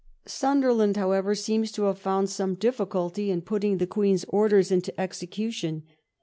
Sun derland, however, seems to have found some difficulty in putting the Queen's orders into execution.